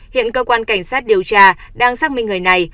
hiện cơ quan cảnh sát điều tra đang xác minh người này